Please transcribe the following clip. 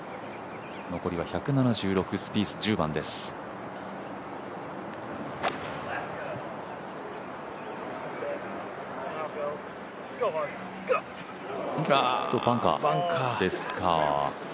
残りは１７６スピース１０番です。ですか。